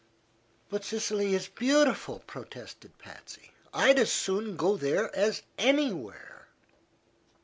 "But Sicily is beautiful," protested Patsy. "I'd as soon go there as anywhere."